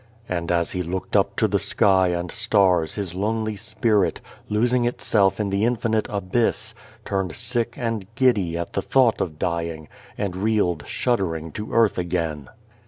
And as he looked up to sky and stars his lonely spirit, losing itself in the infinite abyss, turned sick and giddy at the thought of dying, and reeled shuddering to earth again.